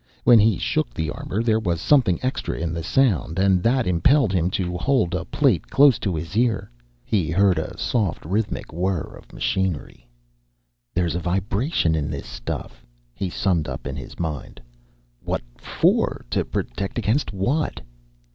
When he shook the armor, there was something extra in the sound, and that impelled him to hold a plate close to his ear. He heard a soft, rhythmic whirr of machinery. "There's a vibration in this stuff," he summed up in his mind. "What for? To protect against what?"